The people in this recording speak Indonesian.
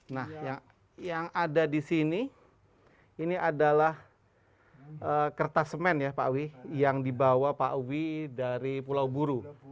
nah yang ada di sini ini adalah kertas semen ya pak wiwi yang dibawa pak wiwi dari pulau buru